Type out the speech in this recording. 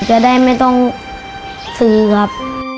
จะได้ไม่ต้องซื้อครับ